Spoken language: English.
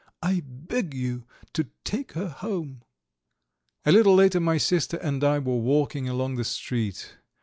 "I beg you to take her home." XVIII A little later my sister and I were walking along the street.